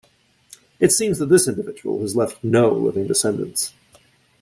It seems that this individual has left no living descendants.